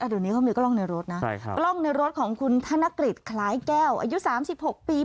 อยู่นี้เขามีกล้องในรถนะครับของคุณธนกฤษคลายแก้วอายุ๓๖ปี